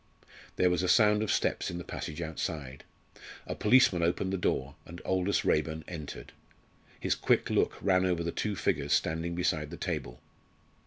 There was a sound of steps in the passage outside. A policeman opened the door, and Aldous Raeburn entered. His quick look ran over the two figures standing beside the table.